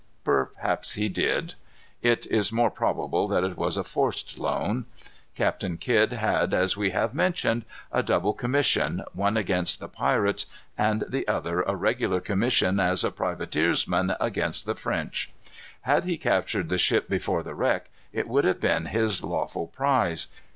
Perhaps he did. It is more probable that it was a forced loan. Captain Kidd had, as we have mentioned, a double commission, one against the pirates, and the other a regular commission as a privateersman against the French. Had he captured the ship before the wreck it would have been his lawful prize.